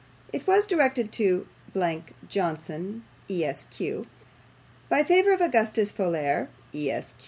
It was directed to blank Johnson, Esq., by favour of Augustus Folair, Esq.